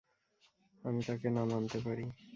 আমি তাকে না মানতে পারি।